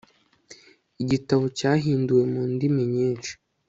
igitabo cyahinduwe mu ndimi nyinshi